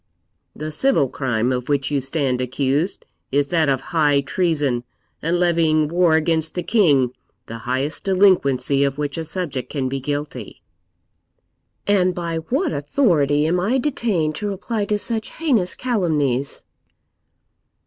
The civil crime of which you stand accused is that of high treason and levying war against the king, the highest delinquency of which a subject can be guilty.' 'And by what authority am I detained to reply to such heinous calumnies?'